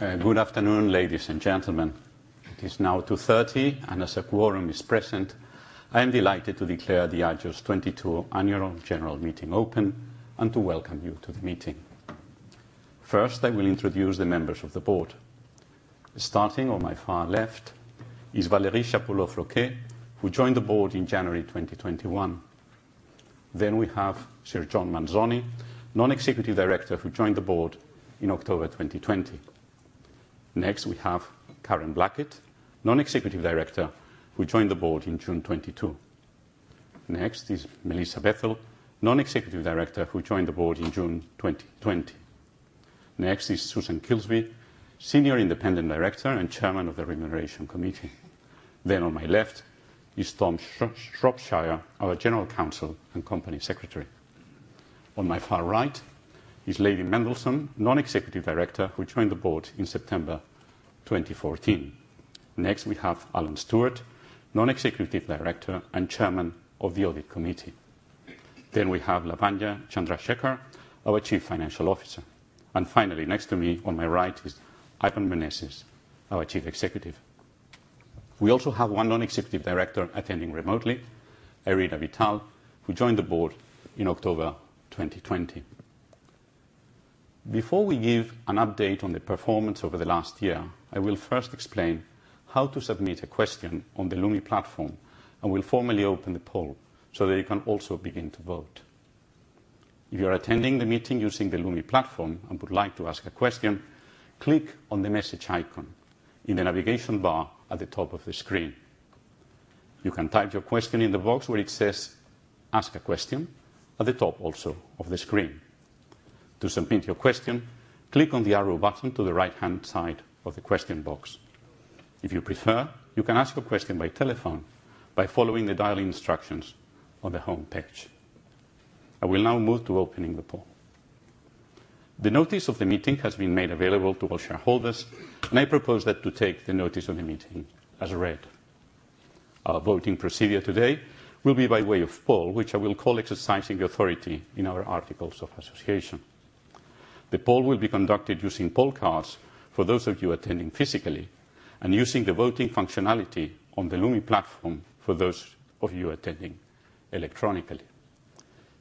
Good afternoon, ladies and gentlemen. It is now 2:30 P.M., and as a quorum is present, I am delighted to declare the Diageo's 2022 annual general meeting open and to welcome you to the meeting. First, I will introduce the members of the board. Starting on my far left is Valérie Chapoulaud-Floquet, who joined the board in January 2021. Then we have Sir John Manzoni, Non-Executive Director, who joined the board in October 2020. Next, we have Karen Blackett, Non-Executive Director, who joined the board in June 2022. Next is Melissa Bethell, Non-Executive Director, who joined the board in June 2020. Next is Susan Kilsby, Senior Independent Director, and Chairman of the Remuneration Committee. Then on my left is Tom Shropshire, our General Counsel and Company Secretary. On my far right is Lady Mendelsohn, Non-Executive Director, who joined the board in September 2014. Next, we have Alan Stewart, Non-Executive Director and Chairman of the Audit Committee. We have Lavanya Chandrashekar, our Chief Financial Officer. Finally, next to me on my right is Ivan Menezes, our Chief Executive. We also have one Non-Executive Director attending remotely, Ireena Vittal, who joined the board in October 2020. Before we give an update on the performance over the last year, I will first explain how to submit a question on the Lumi platform, and we'll formally open the poll so that you can also begin to vote. If you are attending the meeting using the Lumi platform and would like to ask a question, click on the message icon in the navigation bar at the top of the screen. You can type your question in the box where it says, "Ask a question," at the top also of the screen. To submit your question, click on the arrow button to the right-hand side of the question box. If you prefer, you can ask a question by telephone by following the dial-in instructions on the homepage. I will now move to opening the poll. The notice of the meeting has been made available to all shareholders, and I propose that to take the notice of the meeting as read. Our voting procedure today will be by way of poll, which I will call exercising authority in our articles of association. The poll will be conducted using poll cards for those of you attending physically and using the voting functionality on the Lumi platform for those of you attending electronically.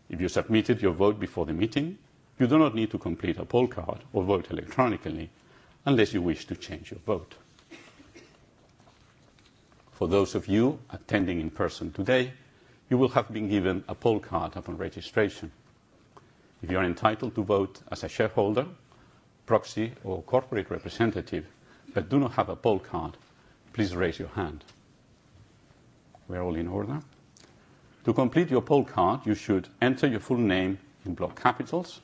If you submitted your vote before the meeting, you do not need to complete a poll card or vote electronically unless you wish to change your vote. For those of you attending in person today, you will have been given a poll card upon registration. If you are entitled to vote as a shareholder, proxy, or corporate representative but do not have a poll card, please raise your hand. We're all in order. To complete your poll card, you should enter your full name in block capitals,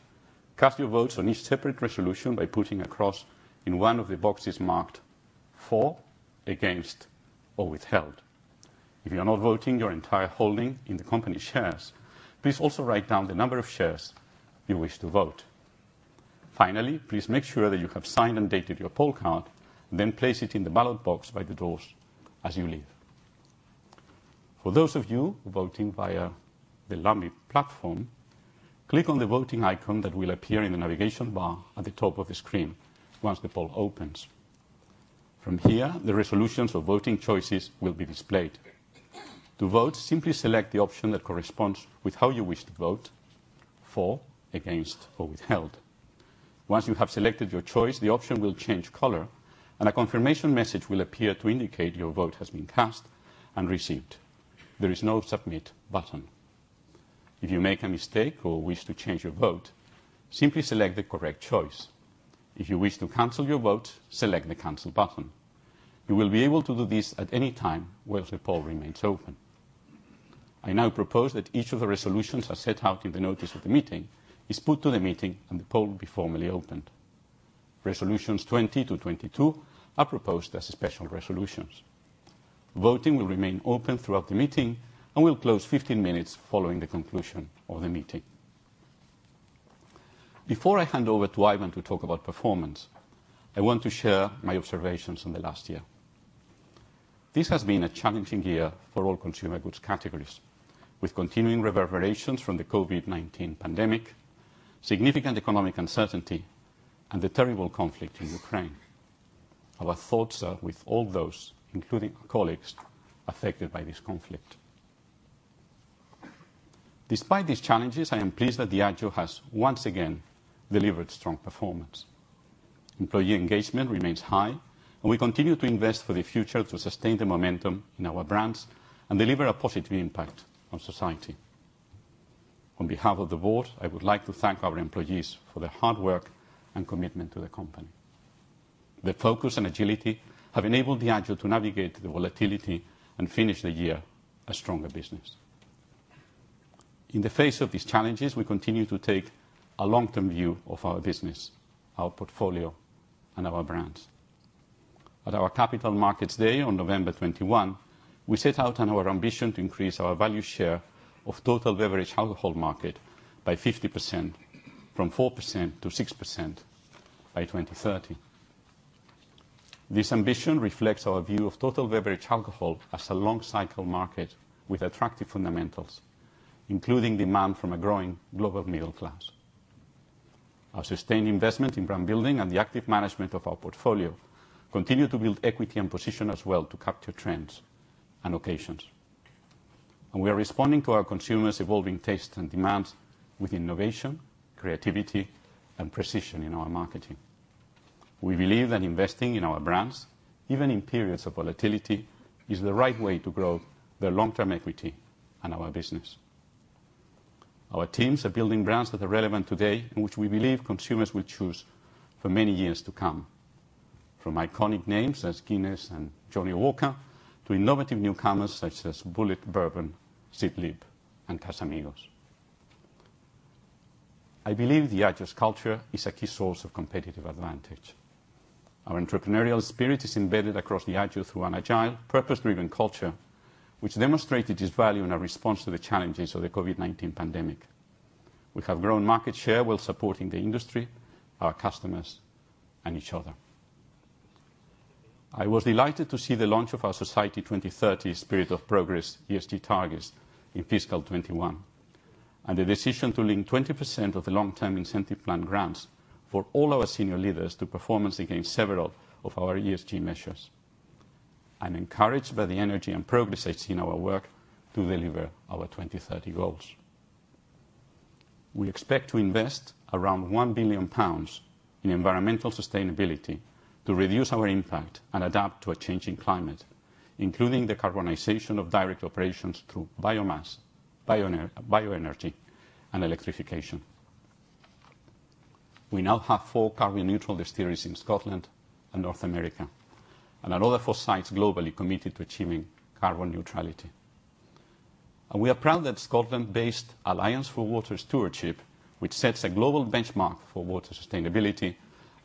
cast your votes on each separate resolution by putting a cross in one of the boxes marked for, against, or withheld. If you are not voting your entire holding in the company shares, please also write down the number of shares you wish to vote. Finally, please make sure that you have signed and dated your poll card, then place it in the ballot box by the doors as you leave. For those of you voting via the Lumi platform, click on the voting icon that will appear in the navigation bar at the top of the screen once the poll opens. From here, the resolutions or voting choices will be displayed. To vote, simply select the option that corresponds with how you wish to vote: for, against, or withheld. Once you have selected your choice, the option will change color, and a confirmation message will appear to indicate your vote has been cast and received. There is no submit button. If you make a mistake or wish to change your vote, simply select the correct choice. If you wish to cancel your vote, select the Cancel button. You will be able to do this at any time whilst the poll remains open. I now propose that each of the resolutions as set out in the notice of the meeting is put to the meeting and the poll be formally opened. Resolutions 20 to 22 are proposed as special resolutions. Voting will remain open throughout the meeting and will close 15 minutes following the conclusion of the meeting. Before I hand over to Ivan to talk about performance, I want to share my observations on the last year. This has been a challenging year for all consumer goods categories, with continuing reverberations from the COVID-19 pandemic, significant economic uncertainty, and the terrible conflict in Ukraine. Our thoughts are with all those, including colleagues, affected by this conflict. Despite these challenges, I am pleased that Diageo has once again delivered strong performance. Employee engagement remains high, and we continue to invest for the future to sustain the momentum in our brands and deliver a positive impact on society. On behalf of the board, I would like to thank our employees for their hard work and commitment to the company. Their focus and agility have enabled Diageo to navigate the volatility and finish the year a stronger business. In the face of these challenges, we continue to take a long-term view of our business, our portfolio, and our brands. At our Capital Markets Day on November 21, we set out on our ambition to increase our value share of total beverage alcohol market by 50% from 4% to 6% by 2030. This ambition reflects our view of total beverage alcohol as a long cycle market with attractive fundamentals, including demand from a growing global middle class. Our sustained investment in brand building and the active management of our portfolio continue to build equity and position as well to capture trends and occasions. We are responding to our consumers' evolving tastes and demands with innovation, creativity, and precision in our marketing. We believe that investing in our brands, even in periods of volatility, is the right way to grow their long-term equity and our business. Our teams are building brands that are relevant today, and which we believe consumers will choose for many years to come, from iconic names as Guinness and Johnnie Walker to innovative newcomers such as Bulleit Bourbon, Seedlip, and Casamigos. I believe Diageo's culture is a key source of competitive advantage. Our entrepreneurial spirit is embedded across Diageo through an agile, purpose-driven culture, which demonstrated its value in our response to the challenges of the COVID-19 pandemic. We have grown market share while supporting the industry, our customers, and each other. I was delighted to see the launch of our Society 2030 Spirit of Progress ESG targets in fiscal 2021, and the decision to link 20% of the long-term incentive plan grants for all our senior leaders to performance against several of our ESG measures. I'm encouraged by the energy and progress I've seen our work to deliver our 2030 goals. We expect to invest around 1 billion pounds in environmental sustainability to reduce our impact and adapt to a changing climate, including the decarbonization of direct operations through biomass, bioenergy, and electrification. We now have four carbon-neutral distilleries in Scotland and North America, and another four sites globally committed to achieving carbon neutrality. We are proud that Scotland-based Alliance for Water Stewardship, which sets a global benchmark for water sustainability,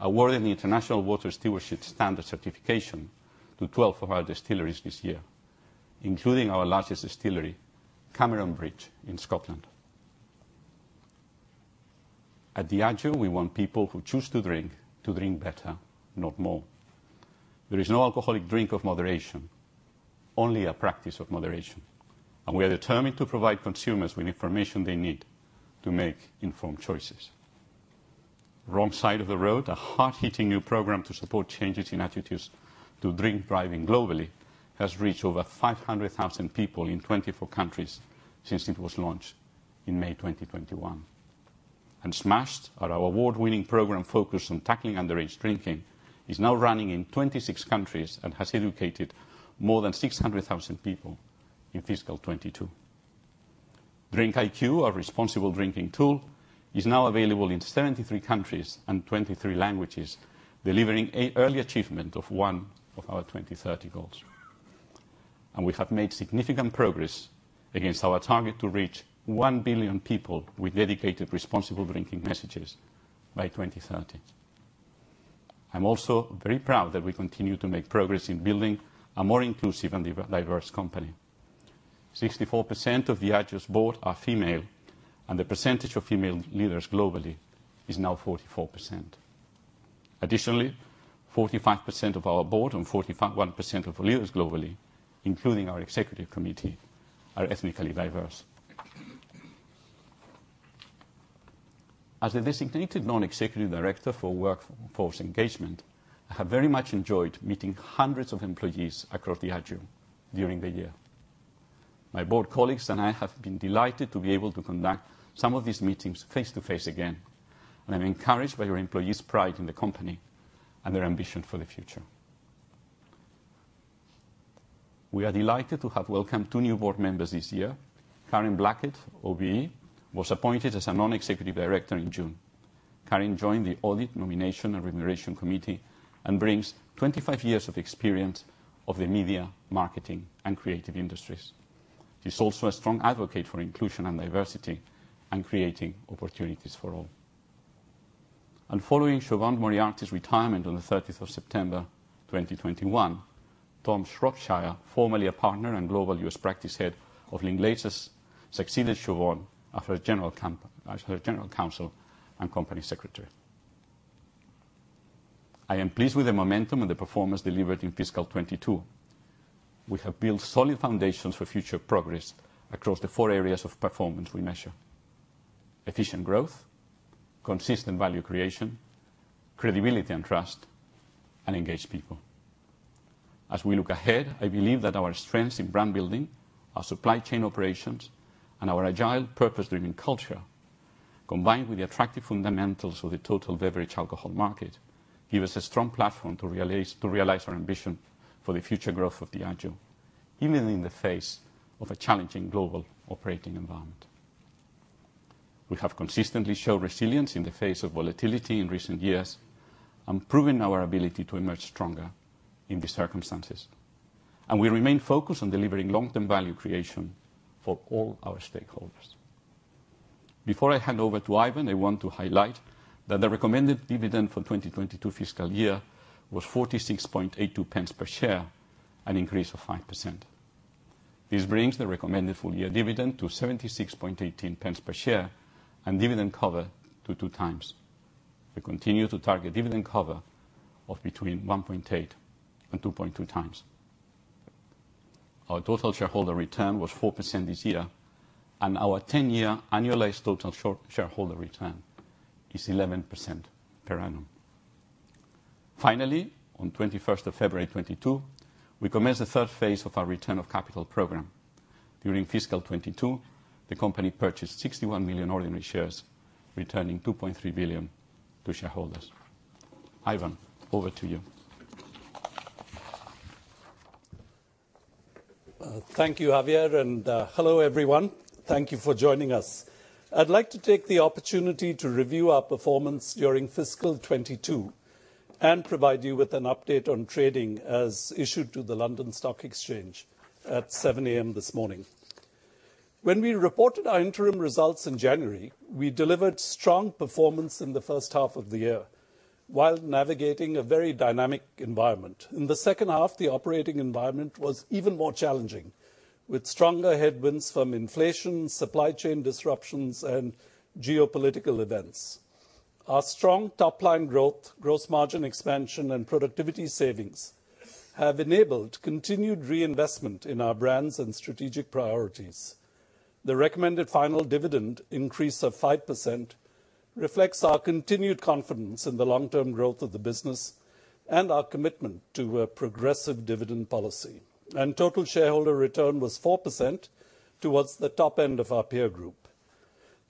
awarded the International Water Stewardship Standard certification to 12 of our distilleries this year, including our largest distillery, Cameronbridge, in Scotland. At Diageo, we want people who choose to drink, to drink better, not more. There is no alcoholic drink of moderation, only a practice of moderation, and we are determined to provide consumers with information they need to make informed choices. Wrong Side of the Road, a hard-hitting new program to support changes in attitudes to drink driving globally, has reached over 500,000 people in 24 countries since it was launched in May 2021. Smashed, our award-winning program focused on tackling underage drinking, is now running in 26 countries and has educated more than 600,000 people in fiscal 2022. DRINKiQ, our responsible drinking tool, is now available in 73 countries and 23 languages, delivering early achievement of one of our 2030 goals. We have made significant progress against our target to reach one billion people with dedicated responsible drinking messages by 2030. I'm also very proud that we continue to make progress in building a more inclusive and diverse company. 64% of Diageo's board are female, and the percentage of female leaders globally is now 44%. Additionally, 45% of our board and 41% of our leaders globally, including our executive committee, are ethnically diverse. As a designated non-executive director for workforce engagement, I have very much enjoyed meeting hundreds of employees across Diageo during the year. My board colleagues and I have been delighted to be able to conduct some of these meetings face-to-face again, and I'm encouraged by your employees' pride in the company and their ambition for the future. We are delighted to have welcomed two new board members this year. Karen Blackett OBE was appointed as a non-executive director in June. Karen joined the Audit, Nomination and Remuneration Committee and brings 25 years of experience of the media, marketing, and creative industries. She's also a strong advocate for inclusion and diversity and creating opportunities for all. Following Siobhán Moriarty's retirement on the thirteenth of September 2021, Tom Shropshire, formerly a partner and global US practice head of Linklaters, succeeded Siobhán as her general counsel and company secretary. I am pleased with the momentum and the performance delivered in fiscal 2022. We have built solid foundations for future progress across the four areas of performance we measure, efficient growth, consistent value creation, credibility and trust, and engaged people. As we look ahead, I believe that our strengths in brand building, our supply chain operations, and our agile, purpose-driven culture, combined with the attractive fundamentals of the total beverage alcohol market, give us a strong platform to realize our ambition for the future growth of Diageo, even in the face of a challenging global operating environment. We have consistently shown resilience in the face of volatility in recent years and proven our ability to emerge stronger in these circumstances. We remain focused on delivering long-term value creation for all our stakeholders. Before I hand over to Ivan, I want to highlight that the recommended dividend for 2022 fiscal year was 0.4682 per share, an increase of 5%. This brings the recommended full year dividend to 0.7618 per share and dividend cover to 2 times. We continue to target dividend cover of between 1.8 and 2.2 times. Our total shareholder return was 4% this year, and our 10-year annualized total shareholder return is 11% per annum. Finally, on 21st of February 2022, we commenced the third phase of our return of capital program. During fiscal 2022, the company purchased 61 million ordinary shares, returning 2.3 billion to shareholders. Ivan, over to you. Thank you, Javier, and hello, everyone. Thank you for joining us. I'd like to take the opportunity to review our performance during fiscal 2022 and provide you with an update on trading as issued to the London Stock Exchange at 7:00 A.M. this morning. When we reported our interim results in January, we delivered strong performance in the first half of the year while navigating a very dynamic environment. In the second half, the operating environment was even more challenging, with stronger headwinds from inflation, supply chain disruptions, and geopolitical events. Our strong top line growth, gross margin expansion, and productivity savings have enabled continued reinvestment in our brands and strategic priorities. The recommended final dividend increase of 5% reflects our continued confidence in the long-term growth of the business and our commitment to a progressive dividend policy. Total shareholder return was 4%, towards the top end of our peer group.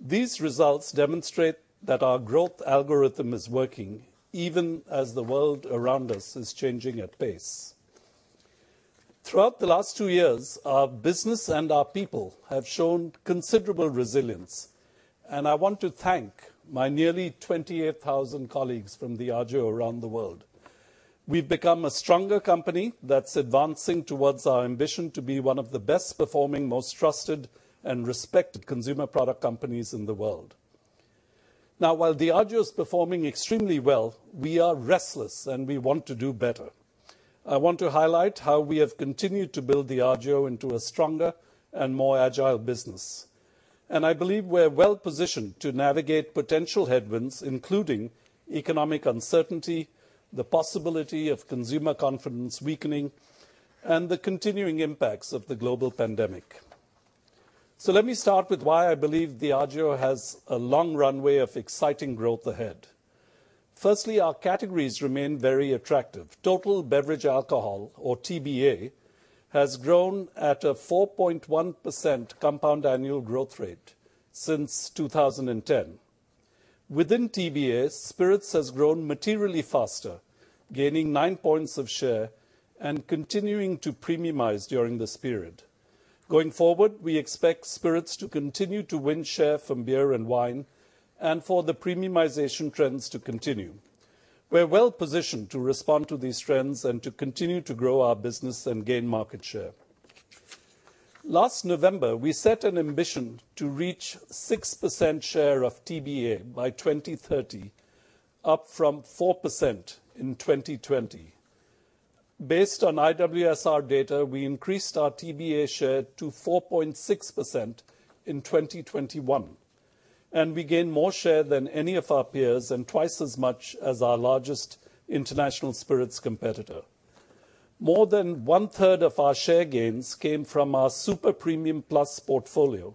These results demonstrate that our growth algorithm is working, even as the world around us is changing at pace. Throughout the last two years, our business and our people have shown considerable resilience, and I want to thank my nearly 28,000 colleagues from Diageo around the world. We've become a stronger company that's advancing towards our ambition to be one of the best performing, most trusted and respected consumer product companies in the world. Now, while Diageo is performing extremely well, we are restless, and we want to do better. I want to highlight how we have continued to build Diageo into a stronger and more agile business. I believe we're well positioned to navigate potential headwinds, including economic uncertainty, the possibility of consumer confidence weakening, and the continuing impacts of the global pandemic. Let me start with why I believe Diageo has a long runway of exciting growth ahead. Firstly, our categories remain very attractive. Total beverage alcohol, or TBA, has grown at a 4.1% compound annual growth rate since 2010. Within TBA, spirits has grown materially faster, gaining 9 points of share and continuing to premiumize during this period. Going forward, we expect spirits to continue to win share from beer and wine and for the premiumization trends to continue. We're well-positioned to respond to these trends and to continue to grow our business and gain market share. Last November, we set an ambition to reach 6% share of TBA by 2030, up from 4% in 2020. Based on IWSR data, we increased our TBA share to 4.6% in 2021, and we gained more share than any of our peers and twice as much as our largest international spirits competitor. More than 1/3 of our share gains came from our super premium plus portfolio,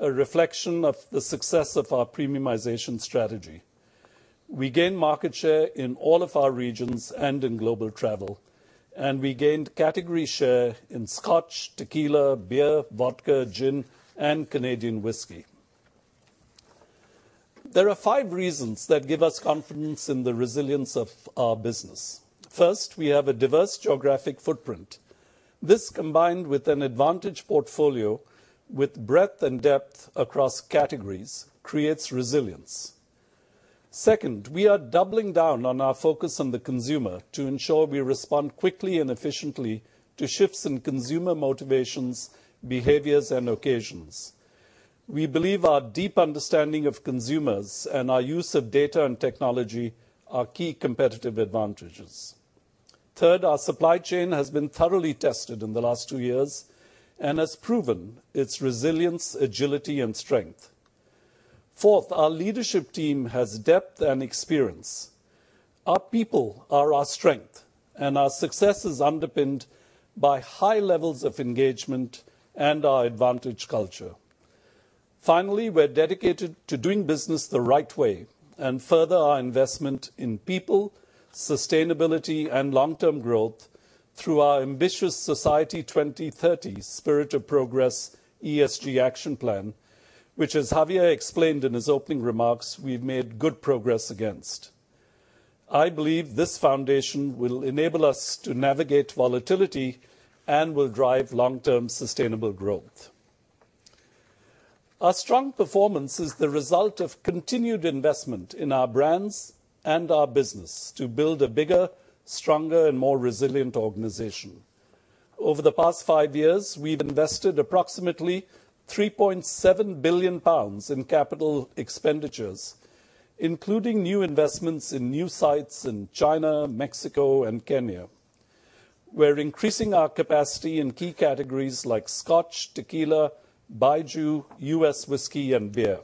a reflection of the success of our premiumization strategy. We gained market share in all of our regions and in global travel, and we gained category share in Scotch, tequila, beer, vodka, gin, and Canadian whiskey. There are five reasons that give us confidence in the resilience of our business. First, we have a diverse geographic footprint. This, combined with an advantage portfolio with breadth and depth across categories, creates resilience. Second, we are doubling down on our focus on the consumer to ensure we respond quickly and efficiently to shifts in consumer motivations, behaviors, and occasions. We believe our deep understanding of consumers and our use of data and technology are key competitive advantages. Third, our supply chain has been thoroughly tested in the last two years and has proven its resilience, agility, and strength. Fourth, our leadership team has depth and experience. Our people are our strength, and our success is underpinned by high levels of engagement and our advantage culture. Finally, we're dedicated to doing business the right way and further our investment in people, sustainability, and long-term growth through our ambitious Society 2030 Spirit of Progress ESG action plan, which, as Javier explained in his opening remarks, we've made good progress against. I believe this foundation will enable us to navigate volatility and will drive long-term sustainable growth. Our strong performance is the result of continued investment in our brands and our business to build a bigger, stronger, and more resilient organization. Over the past five years, we've invested approximately 3.7 billion pounds in capital expenditures. Including new investments in new sites in China, Mexico, and Kenya. We're increasing our capacity in key categories like Scotch, tequila, baijiu, U.S. whiskey, and beer.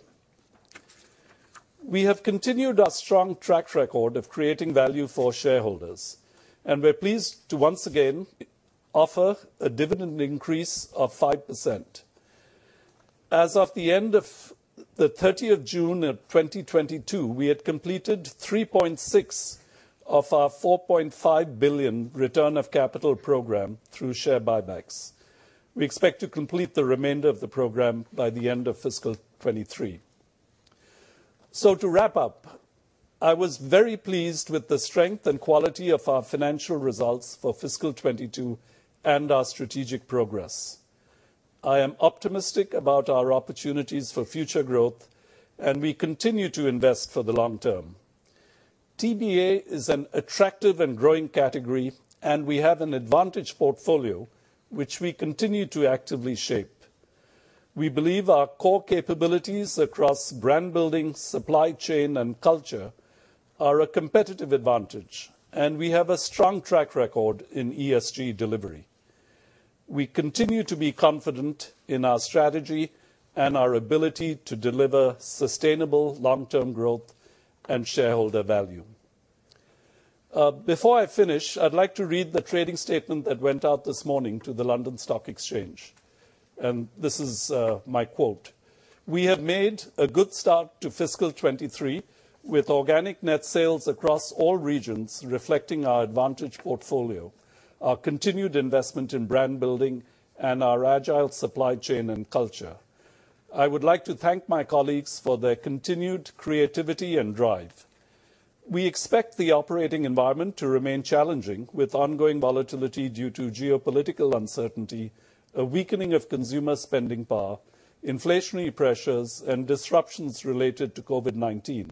We have continued our strong track record of creating value for shareholders, and we're pleased to once again offer a dividend increase of 5%. As of the end of 30 June 2022, we had completed 3.6 of our 4.5 billion return of capital program through share buybacks. We expect to complete the remainder of the program by the end of fiscal 2023. To wrap up, I was very pleased with the strength and quality of our financial results for fiscal 2022 and our strategic progress. I am optimistic about our opportunities for future growth, and we continue to invest for the long term. TBA is an attractive and growing category, and we have an advantaged portfolio which we continue to actively shape. We believe our core capabilities across brand building, supply chain, and culture are a competitive advantage, and we have a strong track record in ESG delivery. We continue to be confident in our strategy and our ability to deliver sustainable long-term growth and shareholder value. Before I finish, I'd like to read the trading statement that went out this morning to the London Stock Exchange, and this is my quote. We have made a good start to fiscal 2023 with organic net sales across all regions, reflecting our advantaged portfolio, our continued investment in brand building and our agile supply chain and culture. I would like to thank my colleagues for their continued creativity and drive. We expect the operating environment to remain challenging with ongoing volatility due to geopolitical uncertainty, a weakening of consumer spending power, inflationary pressures, and disruptions related to COVID-19.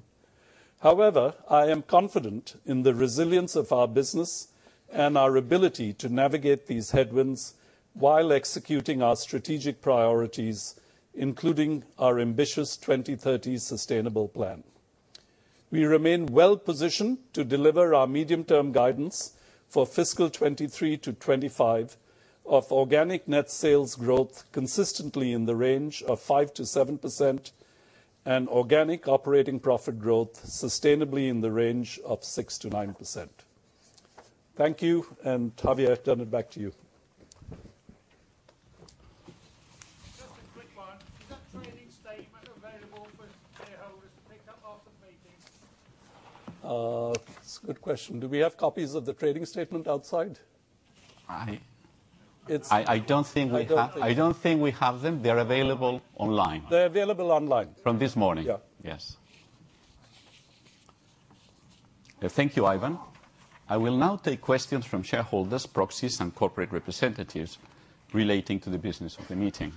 However, I am confident in the resilience of our business and our ability to navigate these headwinds while executing our strategic priorities, including our ambitious Society 2030 plan. We remain well positioned to deliver our medium-term guidance for fiscal 2023-2025 of organic net sales growth consistently in the range of 5%-7% and organic operating profit growth sustainably in the range of 6%-9%. Thank you, and Javier, I turn it back to you. Just a quick one. Is that trading statement available for shareholders to pick up after the meeting? That's a good question. Do we have copies of the trading statement outside? I- It's- I don't think we have them. They're available online. They're available online. From this morning. Yeah. Yes. Thank you, Ivan. I will now take questions from shareholders, proxies, and corporate representatives relating to the business of the meeting.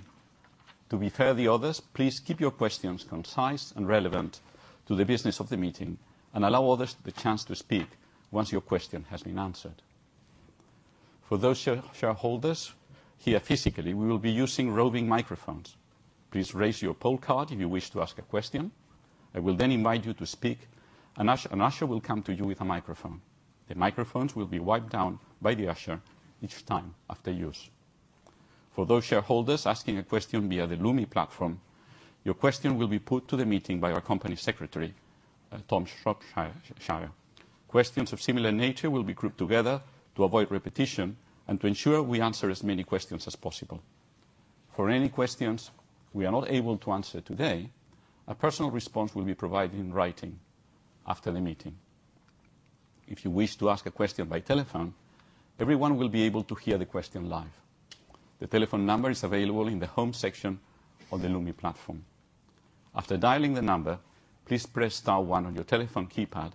To be fair to the others, please keep your questions concise and relevant to the business of the meeting and allow others the chance to speak once your question has been answered. For those shareholders here physically, we will be using roving microphones. Please raise your poll card if you wish to ask a question. I will then invite you to speak. An usher will come to you with a microphone. The microphones will be wiped down by the usher each time after use. For those shareholders asking a question via the Lumi platform, your question will be put to the meeting by our company secretary, Tom Shropshire. Questions of similar nature will be grouped together to avoid repetition and to ensure we answer as many questions as possible. For any questions we are not able to answer today, a personal response will be provided in writing after the meeting. If you wish to ask a question by telephone, everyone will be able to hear the question live. The telephone number is available in the home section on the Lumi platform. After dialing the number, please press star one on your telephone keypad,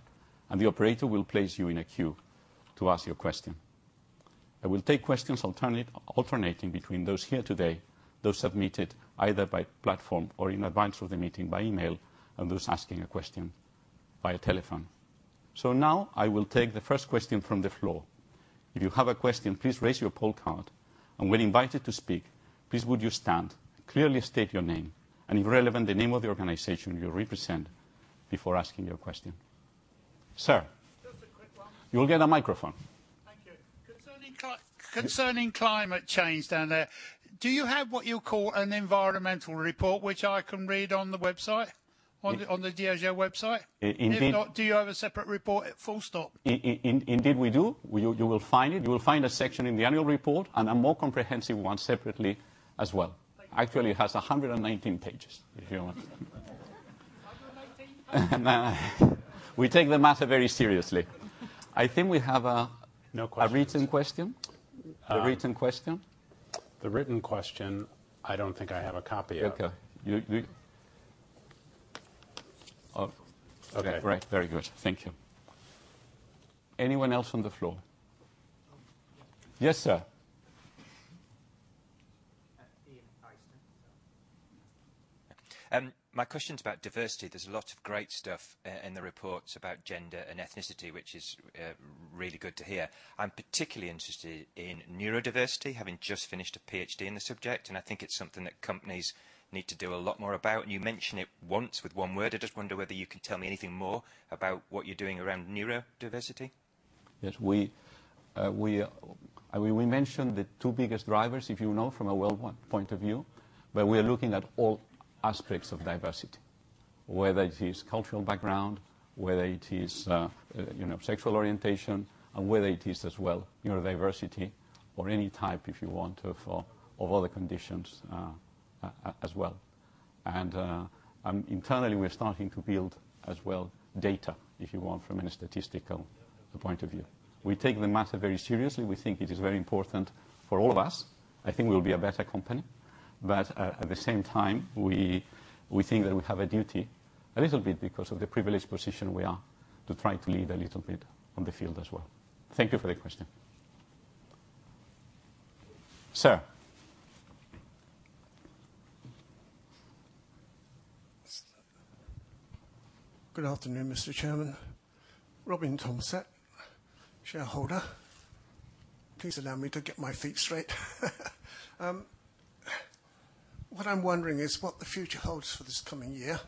and the operator will place you in a queue to ask your question. I will take questions alternately, alternating between those here today, those submitted either by platform or in advance of the meeting by email, and those asking a question via telephone. Now I will take the first question from the floor. If you have a question, please raise your poll card, and when invited to speak, please would you stand, clearly state your name and if relevant, the name of the organization you represent before asking your question. Sir. Just a quick one. You will get a microphone. Thank you. Concerning climate change down there, do you have what you call an environmental report, which I can read on the Diageo website? In- If not, do you have a separate report at full stop? Indeed, we do. You will find it. You will find a section in the annual report, and a more comprehensive one separately as well. Thank you. Actually, it has 119 pages, if you want. 119 pages. We take the matter very seriously. I think we have No questions. a written question. Um- A written question. The written question, I don't think I have a copy of. Okay. You. Oh. Okay. Great. Very good. Thank you. Anyone else on the floor? Yes, sir. Ian Tyson. My question's about diversity. There's a lot of great stuff in the reports about gender and ethnicity, which is really good to hear. I'm particularly interested in neurodiversity, having just finished a Ph.D. in the subject, and I think it's something that companies need to do a lot more about, and you mention it once with one word. I just wonder whether you can tell me anything more about what you're doing around neurodiversity. Yes, we mentioned the two biggest drivers, you know, from a worldwide point of view, but we are looking at all aspects of diversity, whether it is cultural background, whether it is, you know, sexual orientation, and whether it is as well neurodiversity or any type, if you want, of other conditions, as well. Internally, we're starting to build as well data, if you want, from a statistical point of view. We take the matter very seriously. We think it is very important for all of us. I think we'll be a better company. At the same time, we think that we have a duty, a little bit because of the privileged position we are, to try to lead a little bit on the field as well. Thank you for that question, Sir. Good afternoon, Mr. Chairman. Robin Thomsett, shareholder. Please allow me to get my facts straight. What I'm wondering is what the future holds for this coming year.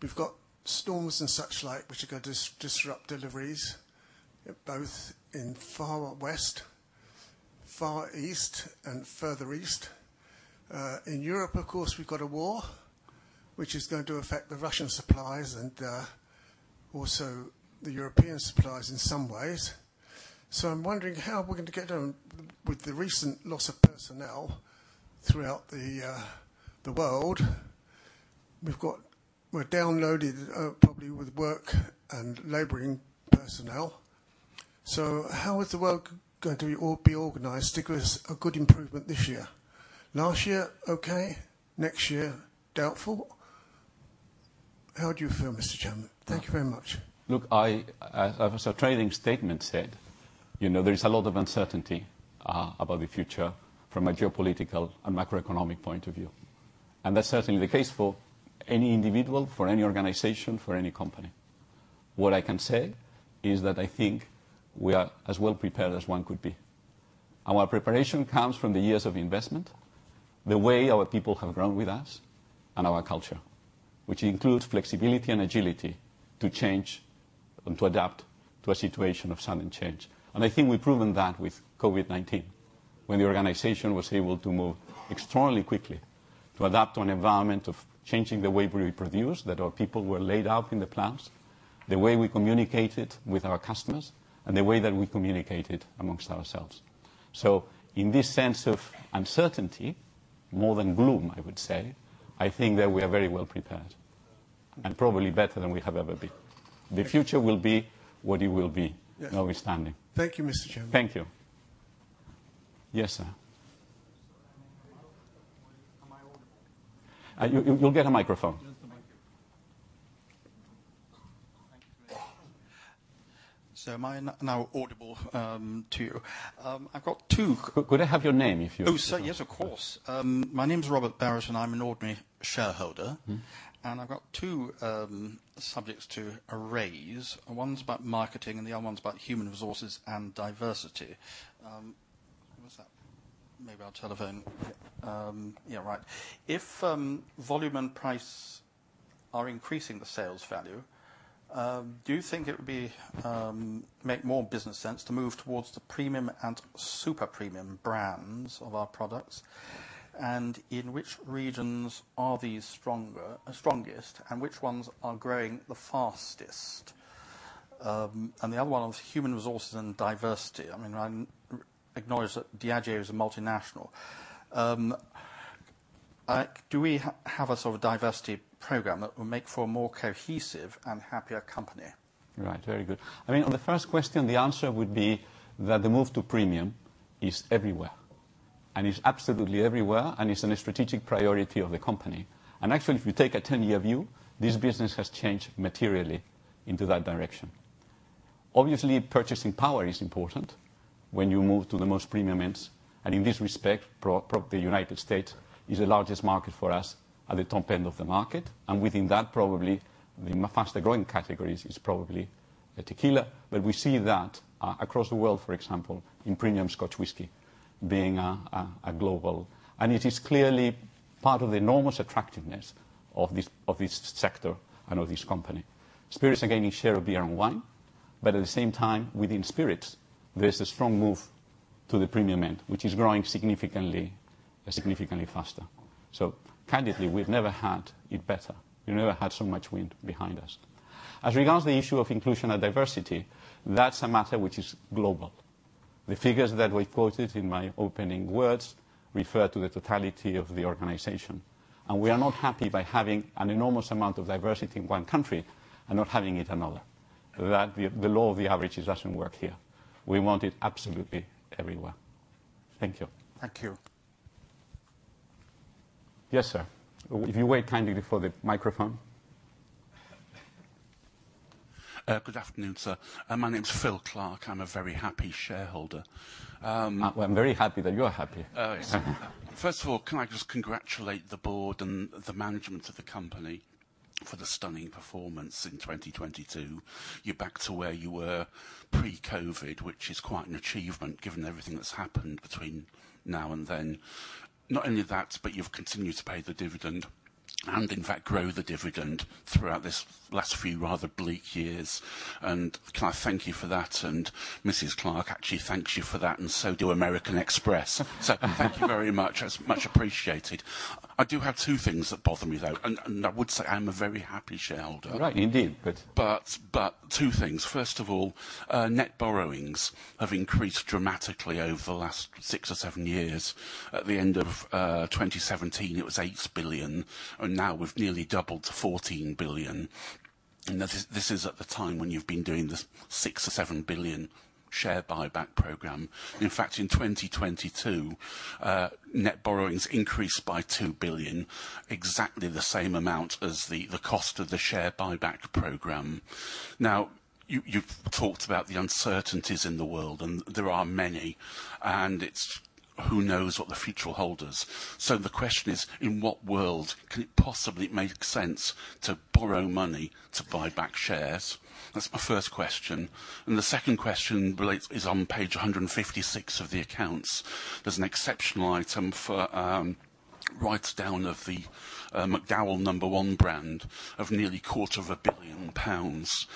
We've got storms and such like which are gonna disrupt deliveries, both in far west, Far East, and further east. In Europe, of course, we've got a war which is going to affect the Russian suppliers and also the European suppliers in some ways. I'm wondering how we're going to get on with the recent loss of personnel throughout the world. We're overloaded probably with work and laboring personnel. How is the work going to be organized? It was a good improvement this year. Last year, okay. Next year, doubtful. How do you feel, Mr. Chairman? Thank you very much. Look, I as our trading statement said, you know, there is a lot of uncertainty about the future from a geopolitical and macroeconomic point of view, and that's certainly the case for any individual, for any organization, for any company. What I can say is that I think we are as well prepared as one could be. Our preparation comes from the years of investment, the way our people have grown with us and our culture, which includes flexibility and agility to change and to adapt to a situation of sudden change.I think we've proven that with COVID-19, when the organization was able to move extraordinarily quickly to adapt to an environment of changing the way we produce, that our people were laid out in the plans, the way we communicated with our customers and the way that we communicated amongst ourselves. In this sense of uncertainty, more than gloom, I would say, I think that we are very well prepared and probably better than we have ever been. The future will be what it will be. Yes. -notwithstanding. Thank you, Mr. Chairman. Thank you. Yes, sir. Am I audible? You'll get a microphone. Just the microphone. Thank you. Am I now audible to you? I've got two- Could I have your name if you? Oh, sir, yes, of course. My name's Robert Barrish, and I'm an ordinary shareholder. Mm-hmm. I've got two subjects to raise. One's about marketing and the other one's about human resources and diversity. What's that? Maybe our telephone. Yeah, right. If volume and price are increasing the sales value, do you think it would make more business sense to move towards the premium and super premium brands of our products? In which regions are these stronger, strongest, and which ones are growing the fastest? The other one was human resources and diversity. I mean, I acknowledge that Diageo is a multinational. Do we have a sort of diversity program that will make for a more cohesive and happier company? Right. Very good. I mean, on the first question, the answer would be that the move to premium is everywhere, and it's absolutely everywhere, and it's a strategic priority of the company. Actually, if you take a 10-year view, this business has changed materially into that direction. Obviously, purchasing power is important when you move to the most premium ends, and in this respect, the United States is the largest market for us at the top end of the market, and within that, probably the faster-growing categories is probably the tequila. But we see that across the world, for example, in premium Scotch whisky being a global. It is clearly part of the enormous attractiveness of this sector and of this company. Spirits are gaining share of beer and wine, but at the same time, within spirits, there's a strong move to the premium end, which is growing significantly faster. So candidly, we've never had it better. We've never had so much wind behind us. As regards to the issue of inclusion and diversity, that's a matter which is global. The figures that we quoted in my opening words refer to the totality of the organization. We are not happy by having an enormous amount of diversity in one country and not having it in another. The law of the averages doesn't work here. We want it absolutely everywhere. Thank you. Thank you. Yes, sir. If you wait kindly for the microphone. Good afternoon, sir. My name's Phil Clark. I'm a very happy shareholder. Well, I'm very happy that you are happy. Oh, yes. First of all, can I just congratulate the board and the management of the company for the stunning performance in 2022? You're back to where you were pre-COVID, which is quite an achievement given everything that's happened between now and then. Not only that, but you've continued to pay the dividend. And in fact grow the dividend throughout this last few rather bleak years. Can I thank you for that, and Mrs. Clark actually thanks you for that, and so do American Express. Thank you very much, it's much appreciated. I do have two things that bother me, though, and I would say I'm a very happy shareholder. Right, indeed. Two things. First of all, net borrowings have increased dramatically over the last six or seven years. At the end of 2017 it was 8 billion, and now we've nearly doubled to 14 billion. This is at the time when you've been doing the 6 billion or 7 billion share buyback program. In fact, in 2022, net borrowings increased by 2 billion, exactly the same amount as the cost of the share buyback program. Now, you've talked about the uncertainties in the world, and there are many. It's who knows what the future holds. The question is, in what world could it possibly make sense to borrow money to buy back shares? That's my first question. The second question is on page 156 of the accounts. There's an exceptional item for a write-down of the McDowell's No.1 brand of nearly a quarter of a billion GBP.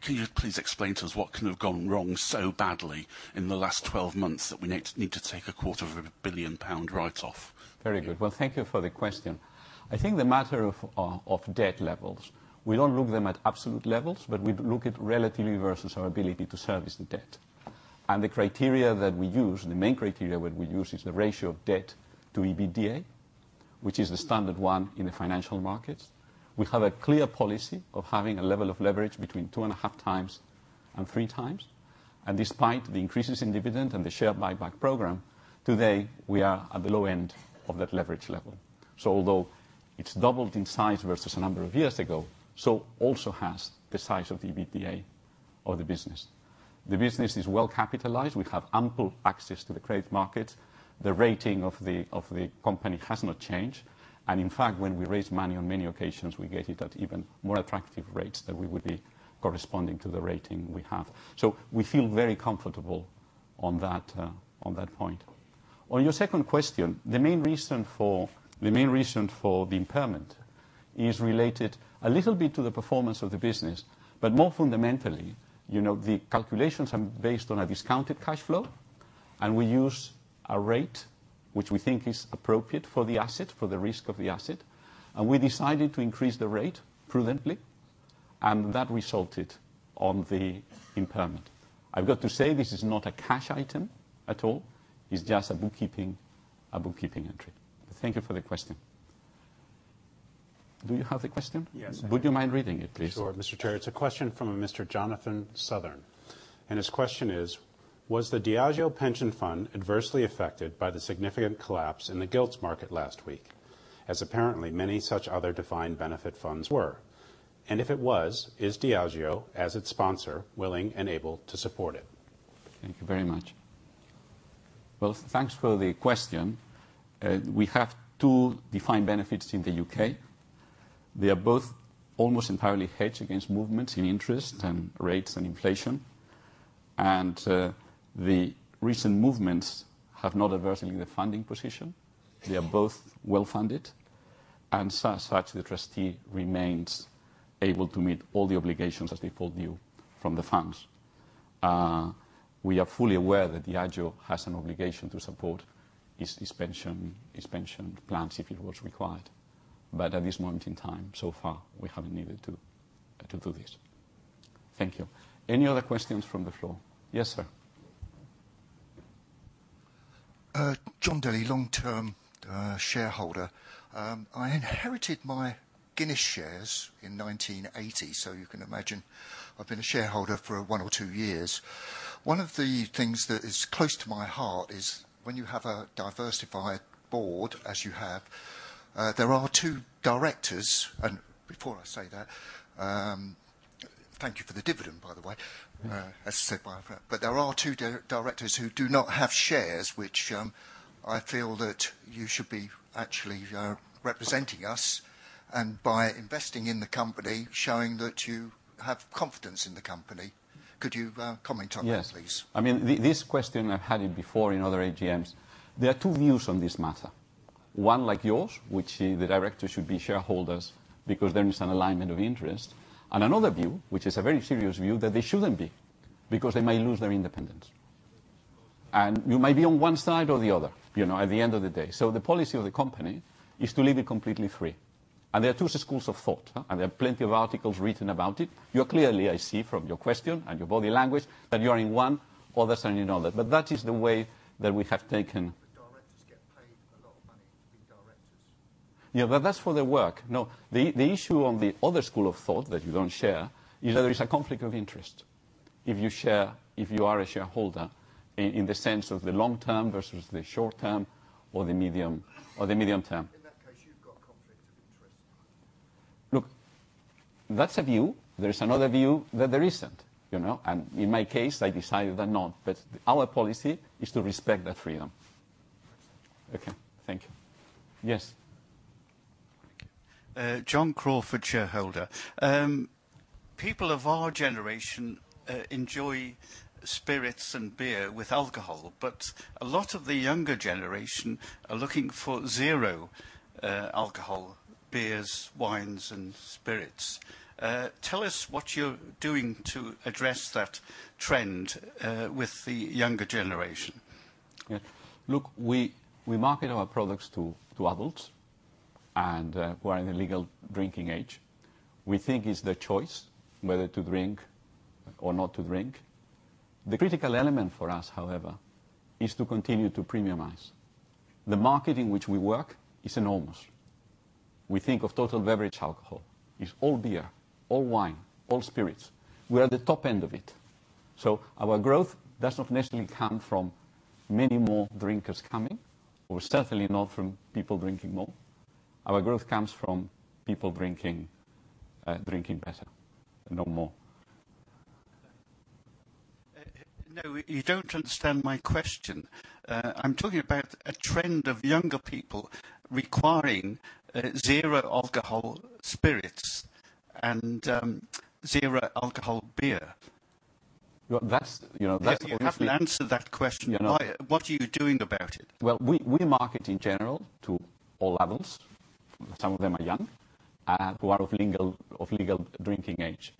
Can you please explain to us what can have gone wrong so badly in the last 12 months that we need to take a quarter of a billion GBP write-off? Very good. Well, thank you for the question. I think the matter of debt levels, we don't look them at absolute levels, but we look at relatively versus our ability to service the debt. The criteria that we use, the main criteria what we use is the ratio of debt to EBITDA, which is the standard one in the financial markets. We have a clear policy of having a level of leverage between 2.5 times and 3x. Despite the increases in dividend and the share buyback program, today we are at the low end of that leverage level. Although it's doubled in size versus a number of years ago, so also has the size of the EBITDA of the business. The business is well capitalized. We have ample access to the credit markets. The rating of the company has not changed. In fact, when we raise money on many occasions, we get it at even more attractive rates than we would be corresponding to the rating we have. We feel very comfortable on that point. On your second question, the main reason for the impairment is related a little bit to the performance of the business. More fundamentally, you know, the calculations are based on a discounted cash flow, and we use a rate which we think is appropriate for the asset, for the risk of the asset. We decided to increase the rate prudently, and that resulted on the impairment. I've got to say, this is not a cash item at all. It's just a bookkeeping entry. Thank you for the question. Do you have the question? Yes, I do. Would you mind reading it, please? Sure, Mr. Chairman. His question is, "Was the Diageo Pension Fund adversely affected by the significant collapse in the gilts market last week, as apparently many such other defined benefit funds were? And if it was, is Diageo, as its sponsor, willing and able to support it? Thank you very much. Well, thanks for the question. We have two defined benefits in the UK. They are both almost entirely hedged against movements in interest and rates and inflation. The recent movements have not adversely affected the funding position. They are both well-funded. As such, the trustee remains able to meet all the obligations as they fall due from the funds. We are fully aware that Diageo has an obligation to support its pension plans if it was required. At this moment in time, so far, we haven't needed to do this. Thank you. Any other questions from the floor? Yes, sir. John Daly, long-term shareholder. I inherited my Guinness shares in 1980, so you can imagine I've been a shareholder for one or two years. One of the things that is close to my heart is when you have a diversified board, as you have, there are two directors. Before I say that, thank you for the dividend, by the way. Mm-hmm. As I said, there are two directors who do not have shares, which I feel that you should be actually representing us, and by investing in the company, showing that you have confidence in the company. Could you comment on that, please? Yes. I mean, this question, I've had it before in other AGMs. There are two views on this matter. One like yours, which the directors should be shareholders because there is an alignment of interest. Another view, which is a very serious view, that they shouldn't be, because they may lose their independence. You may be on one side or the other, you know, at the end of the day. The policy of the company is to leave it completely free. There are two schools of thought. There are plenty of articles written about it. You are clearly, I see from your question and your body language, that you are in one, others are in another. That is the way that we have taken. Directors get paid a lot of money to be directors. Yeah, that's for their work. No, the issue on the other school of thought that you don't share is that there is a conflict of interest if you share, if you are a shareholder in the sense of the long term versus the short term or the medium term. In that case, you've got conflict of interest. Look, that's a view. There's another view that there isn't, you know? In my case, I decided that not. Our policy is to respect that freedom. Thanks. Okay, thank you. Yes. John Crawford, shareholder. People of our generation enjoy spirits and beer with alcohol, but a lot of the younger generation are looking for zero alcohol beers, wines and spirits. Tell us what you're doing to address that trend with the younger generation. Yeah. Look, we market our products to adults and who are in the legal drinking age. We think it's their choice whether to drink or not to drink. The critical element for us, however, is to continue to premiumize. The market in which we work is enormous. We think of total beverage alcohol. It's all beer, all wine, all spirits. We are the top end of it. Our growth doesn't necessarily come from many more drinkers coming, or certainly not from people drinking more. Our growth comes from people drinking better, and no more. No, you don't understand my question. I'm talking about a trend of younger people requiring zero alcohol spirits and zero alcohol beer. Well, that's, you know, that's obviously. You have to answer that question. You know. What are you doing about it? Well, we market in general to all adults, some of them are young, who are of legal drinking age.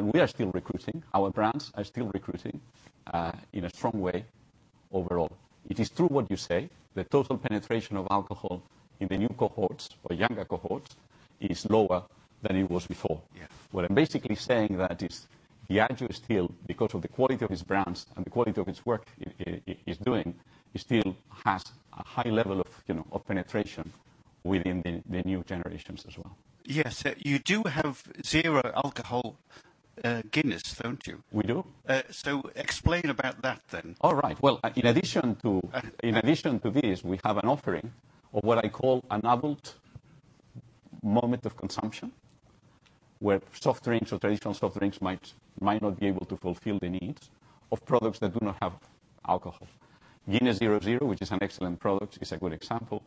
We are still recruiting. Our brands are still recruiting in a strong way overall. It is true what you say, the total penetration of alcohol in the new cohorts or younger cohorts is lower than it was before. Yeah. What I'm basically saying that is, Diageo still, because of the quality of its brands and the quality of its work it's doing, it still has a high level of, you know, of penetration within the new generations as well. Yes. You do have zero alcohol, Guinness, don't you? We do. Explain about that then. All right. Well, in addition to this, we have an offering of what I call an adult moment of consumption, where soft drinks or traditional soft drinks might not be able to fulfill the needs of products that do not have alcohol. Guinness Zero Zero, which is an excellent product, is a good example.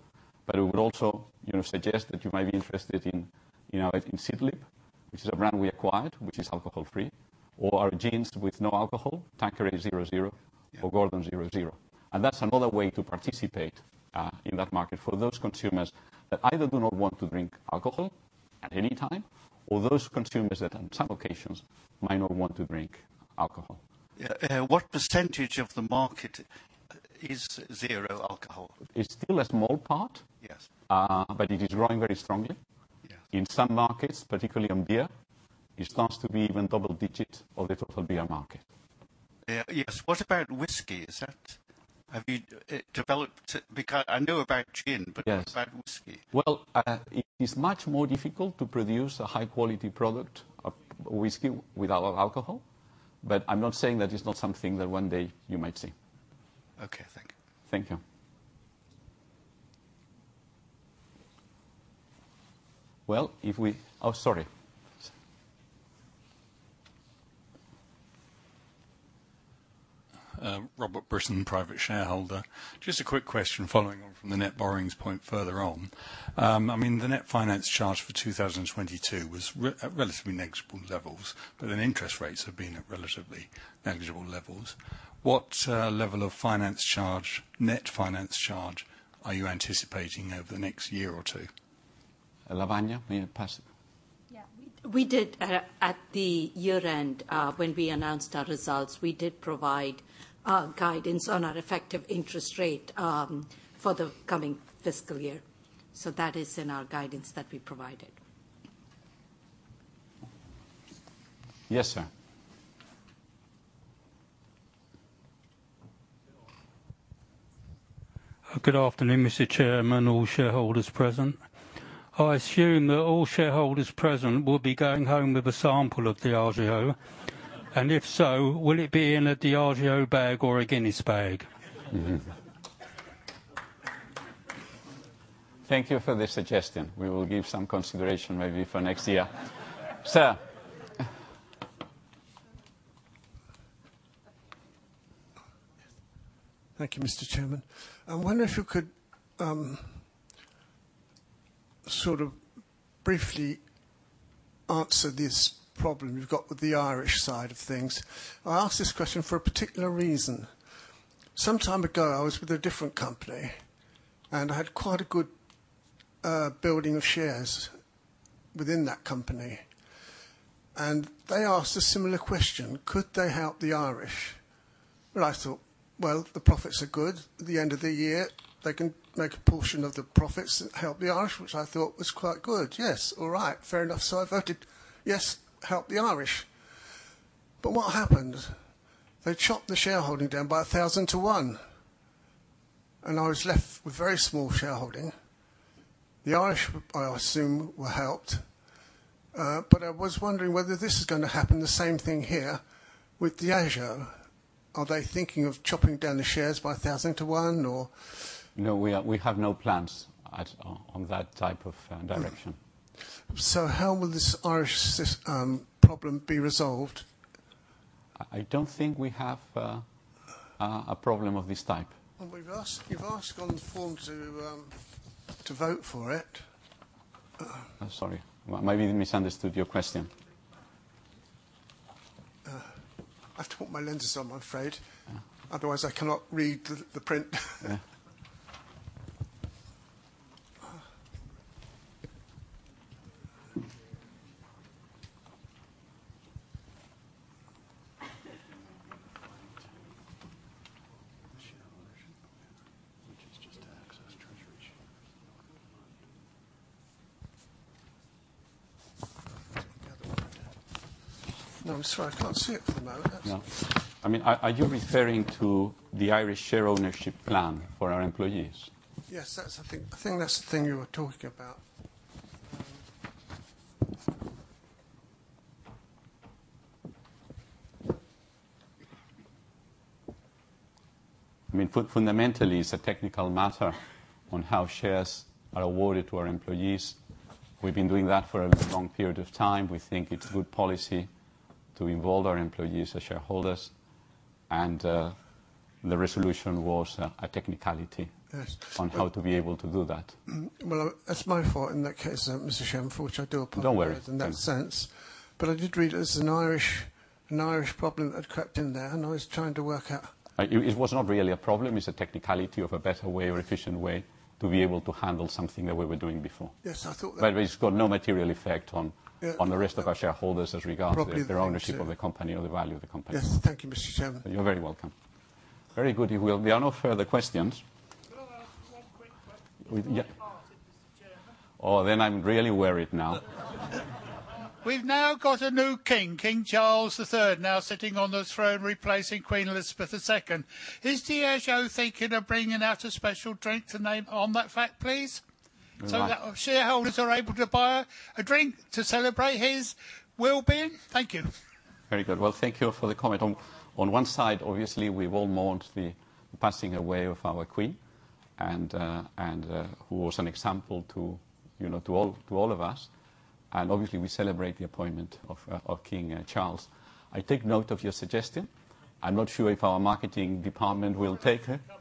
But it would also, you know, suggest that you might be interested in, you know, in Seedlip, which is a brand we acquired, which is alcohol free, or our gins with no alcohol, Tanqueray Zero Zero or Gordon's Zero Zero. That's another way to participate in that market for those consumers that either do not want to drink alcohol at any time, or those consumers that on some occasions might not want to drink alcohol. Yeah. What percentage of the market is zero alcohol? It's still a small part. Yes. It is growing very strongly. Yeah. In some markets, particularly on beer, it starts to be even double digits of the total beer market. Yeah. Yes. What about whiskey? Have you developed? Because I know about gin- Yes. What about whiskey? Well, it is much more difficult to produce a high quality product of whiskey without alcohol. I'm not saying that it's not something that one day you might see. Okay, thank you. Thank you. Oh, sorry. Robert Brisson, private shareholder. Just a quick question following on from the net borrowings point further on. I mean, the net finance charge for 2022 was at relatively negligible levels, but then interest rates have been at relatively negligible levels. What level of finance charge, net finance charge are you anticipating over the next year or two? Lavanya, may I pass? Yeah. We did, at the year-end, when we announced our results, we did provide guidance on our effective interest rate for the coming fiscal year. That is in our guidance that we provided. Yes, sir. Good afternoon, Mr. Chairman, all shareholders present. I assume that all shareholders present will be going home with a sample of Diageo. If so, will it be in a Diageo bag or a Guinness bag? Thank you for the suggestion. We will give some consideration maybe for next year. Sir. Thank you, Mr. Chairman. I wonder if you could sort of briefly answer this problem you've got with the Irish side of things. I ask this question for a particular reason. Some time ago, I was with a different company, and I had quite a good building of shares within that company. They asked a similar question, could they help the Irish? Well, I thought, well, the profits are good. At the end of the year, they can make a portion of the profits help the Irish, which I thought was quite good. Yes, all right. Fair enough. I voted, yes, help the Irish. What happened? They chopped the shareholding down by 1,000 to one, and I was left with very small shareholding. The Irish, I assume, were helped. I was wondering whether this is gonna happen, the same thing here with Diageo. Are they thinking of chopping down the shares by 1000 to one or? No, we have no plans on that type of direction. How will this Irish system problem be resolved? I don't think we have a problem of this type. You've asked on the form to vote for it. I'm sorry. Maybe I misunderstood your question. I've to put my lenses on, I'm afraid. Yeah. Otherwise, I cannot read the print. Yeah. No, I'm sorry. I can't see it for the moment. No. I mean, are you referring to the Irish share ownership plan for our employees? Yes. That's the thing. I think that's the thing you were talking about. I mean, fundamentally, it's a technical matter on how shares are awarded to our employees. We've been doing that for a long period of time. We think it's good policy to involve our employees as shareholders. The resolution was a technicality. Yes On how to be able to do that. Well, that's my fault in that case then, Mr. Chairman. Don't worry. Apologize in that sense. I did read it as an Irish problem that had crept in there, and I was trying to work out. It was not really a problem. It's a technicality of a better way or efficient way to be able to handle something that we were doing before. Yes. I thought that. It's got no material effect. Yeah On the rest of our shareholders as regards Probably Their ownership of the company or the value of the company. Yes. Thank you, Mr. Chairman. You're very welcome. Very good. There will be no further questions. Can I ask one quick question? Yeah. On my part, Mr. Chairman? Oh, I'm really worried now. We've now got a new king, King Charles III, now sitting on the throne replacing Queen Elizabeth II. Is Diageo thinking of bringing out a special drink to name on that fact, please? Well- that shareholders are able to buy a drink to celebrate his wellbeing. Thank you. Very good. Well, thank you for the comment. On one side, obviously, we all mourned the passing away of our Queen Elizabeth II who was an example to, you know, to all of us. Obviously, we celebrate the appointment of King Charles III. I take note of your suggestion. I'm not sure if our marketing department will take it. We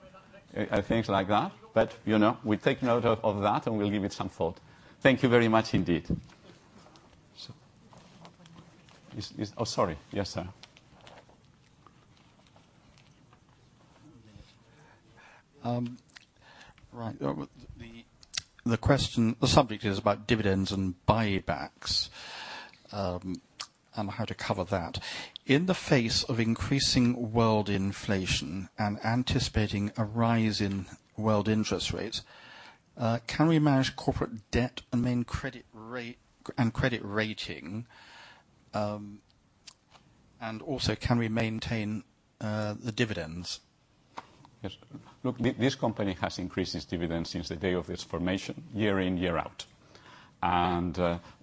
can cover that next year. Things like that. You know, we take note of that, and we'll give it some thought. Thank you very much indeed. Oh, sorry. Yes, sir. Right. The question. The subject is about dividends and buybacks, and how to cover that. In the face of increasing world inflation and anticipating a rise in world interest rates, can we manage corporate debt and credit rating? Can we maintain the dividends? Yes. Look, this company has increased its dividends since the day of its formation, year in, year out.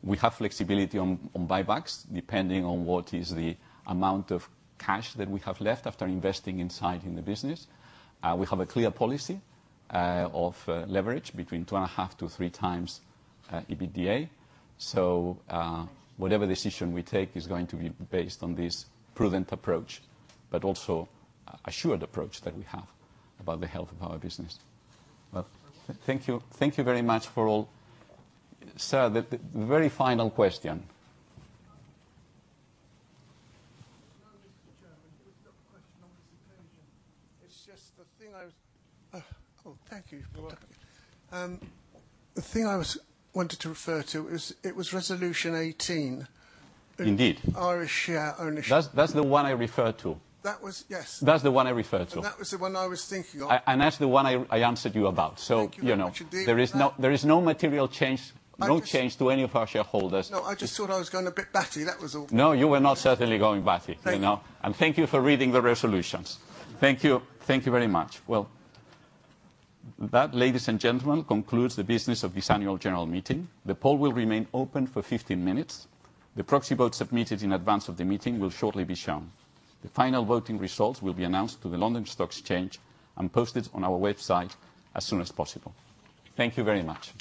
We have flexibility on buybacks, depending on what is the amount of cash that we have left after investing in the business. We have a clear policy of leverage between 2.5-3x EBITDA. Whatever decision we take is going to be based on this prudent approach, but also an assured approach that we have about the health of our business. Well, thank you very much for all. Sir, the very final question. No, Mr. Chairman. It was not a question on this occasion. It's just the thing I wanted to refer to. It was Resolution 18. Indeed. Irish share ownership. That's the one I referred to. That was. Yes. That's the one I referred to. That was the one I was thinking of. That's the one I answered you about. Thank you very much indeed. You know, there is no material change. I just- No change to any of our shareholders. No, I just thought I was going a bit batty, that was all. No, you were not certainly going batty. Thank you. You know? Thank you for reading the resolutions. Thank you. Thank you very much. Well, that, ladies and gentlemen, concludes the business of this annual general meeting. The poll will remain open for 15 minutes. The proxy votes submitted in advance of the meeting will shortly be shown. The final voting results will be announced to the London Stock Exchange and posted on our website as soon as possible. Thank you very much.